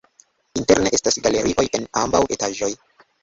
Interne estas galerioj en ambaŭ etaĝoj.